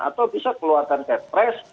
atau bisa keluarkan petres